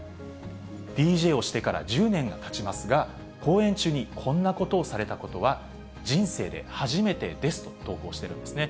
ＤＪをしてから１０年がたちますが、公演中にこんなことをされたことは人生で初めてですと投稿してるんですね。